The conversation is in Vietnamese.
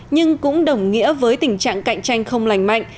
nhưng cũng đồng nghĩa với tình trạng cạnh tranh không lành mạnh